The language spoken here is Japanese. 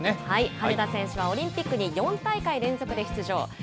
羽根田選手はオリンピックに４大会連続で出場。